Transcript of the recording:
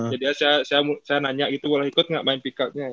jadi saya nanya gitu boleh ikut gak main pick up nya